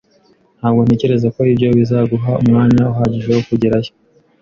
Ntabwo ntekereza ko ibyo bizaguha umwanya uhagije wo kugerayo.